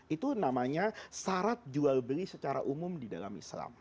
itu namanya syarat jual beli secara umum di dalam islam